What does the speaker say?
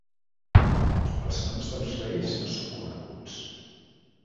Els noms dels reis no són coneguts.